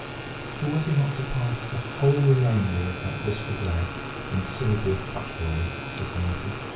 For was he not to pass the whole remainder of that blissful day in Sylvia Futvoye's society?